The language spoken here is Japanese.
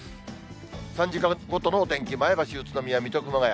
３時間ごとのお天気、前橋、宇都宮、水戸、熊谷。